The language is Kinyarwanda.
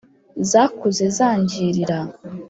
zakuze zangirira